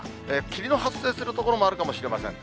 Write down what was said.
霧の発生する所もあるかもしれません。